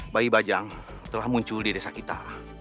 bayi bajang telah muncul di desa kita